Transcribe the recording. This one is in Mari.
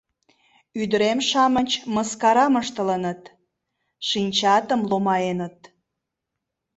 — Ӱдырем-шамыч мыскарам ыштылыныт, шинчатым ломаеныт...